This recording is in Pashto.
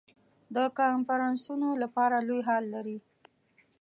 د کنفرانسونو لپاره لوی هال لري.